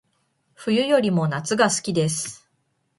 冬よりも夏が好きです